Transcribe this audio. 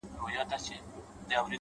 وخت هوښیارانو ته ارزښت لري,